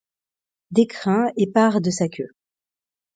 Des crins épars de sa queue